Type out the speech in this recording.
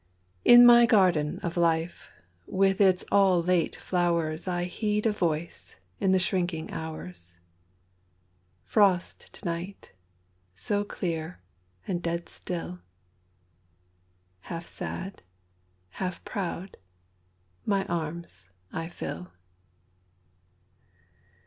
.... .In my garden of Life with its all late flowersI heed a Voice in the shrinking hours:"Frost to night—so clear and dead still" …Half sad, half proud, my arms I fill.